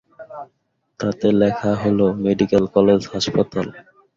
তাতে লেখা হল ‘মেডিকেল কলেজ হাসপাতাল’।